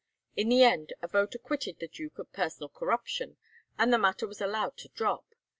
In the end a vote acquitted the duke of personal corruption, and the matter was allowed to drop.